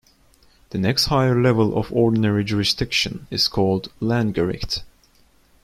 The next higher level of ordinary jurisdiction is called Landgericht.